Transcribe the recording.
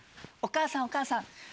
お母さんお母さん